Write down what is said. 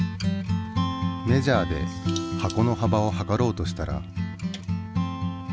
メジャーで箱の幅をはかろうとしたら。